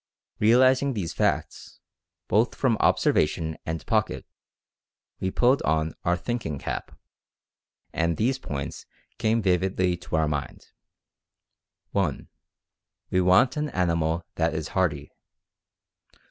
Realizing these facts, both from observation and pocket, we pulled on our 'thinking cap,' and these points came vividly to our mind: "(1) We want an animal that is hardy.